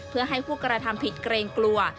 เพื่อให้ผู้กระทำผิดเกรงกลัว